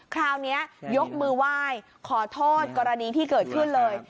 คราวนี้ยกมือไหว้ขอโทษกรณีที่เกิดขึ้นเลย